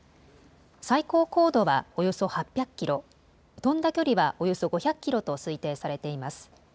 最高高度はおよそ８００キロ、飛んだ距離はおよそ５００キロと推定されています。